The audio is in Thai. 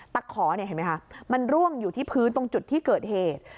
ตะขอเห็นไหมคะมันร่วงอยู่ที่พื้นตรงจุดที่เกิดเหตุ